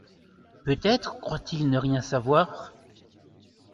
Peut-être croit-il ne rien savoir ?